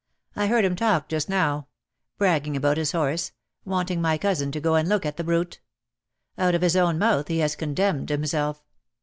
"I heard him talk just now; bragging about his horse, wanting my cousin to go and look at the brute. Out of his own mouth he has condemned himself."